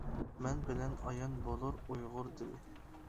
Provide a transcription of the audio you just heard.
مەن بىلەن ئايان بولۇر ئۇيغۇر دىلى.